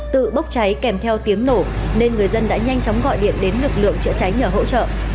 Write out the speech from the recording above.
tự bốc cháy kèm theo tiếng nổ nên người dân đã nhanh chóng gọi điện đến lực lượng chữa cháy nhờ hỗ trợ